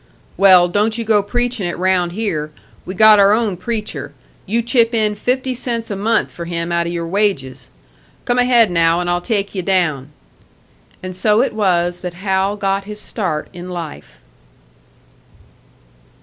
"Well, don't you go preachin' it round here. We got our own preacher you chip in fifty cents a month for him out of your wages. Come ahead now, and I'll take you down." And so it was that Hal got his start in life.